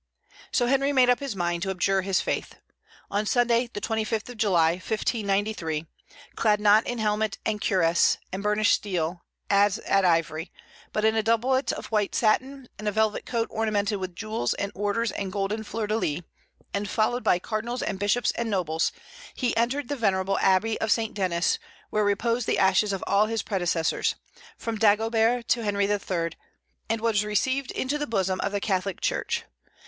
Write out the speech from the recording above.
So Henry made up his mind to abjure his faith. On Sunday the 25th of July, 1593, clad not in helmet and cuirass and burnished steel, as at Ivry, but in a doublet of white satin, and a velvet coat ornamented with jewels and orders and golden fleurs de lis, and followed by cardinals and bishops and nobles, he entered the venerable Abbey of St. Denis, where reposed the ashes of all his predecessors, from Dagobert to Henry III, and was received into the bosom of the Catholic Church.